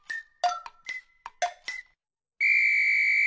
ピッ！